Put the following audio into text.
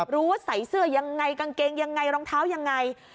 รู้ว่าใส่เสื้อยังไงกางเกงยังไงรองเท้ายังไง